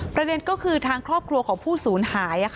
ประเด็นก็คือทางครอบครัวของผู้สูญหาย